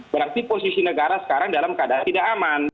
berarti posisi negara sekarang dalam keadaan tidak aman